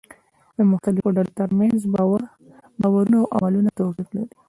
د مختلفو ډلو ترمنځ باورونه او عملونه توپير لري.